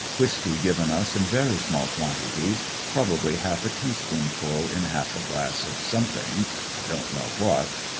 Whis key given us in very small quantities, probably half a teaspoonful in half a glass of something, I don't know what.